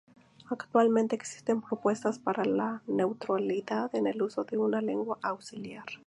Actualmente existen propuestas para la neutralidad en el uso de una lengua auxiliar.